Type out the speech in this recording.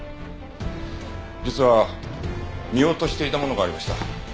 実は見落としていたものがありました。